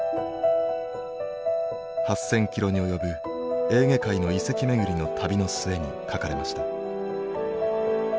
８，０００キロに及ぶエーゲ海の遺跡巡りの旅の末に書かれました。